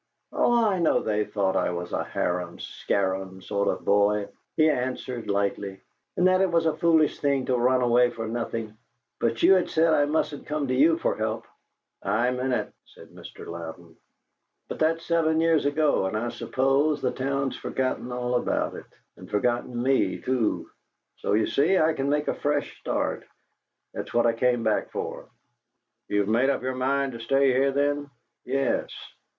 "Oh, I know they thought I was a harum scarum sort of boy," he answered lightly, "and that it was a foolish thing to run away for nothing; but you had said I mustn't come to you for help " "I meant it," said Mr. Louden. "But that's seven years ago, and I suppose the town's forgotten all about it, and forgotten me, too. So, you see, I can make a fresh start. That's what I came back for." "You've made up your mind to stay here, then?" "Yes."